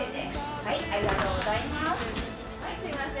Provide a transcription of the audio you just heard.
はいすいません